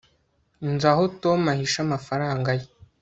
nzi aho tom ahisha amafaranga ye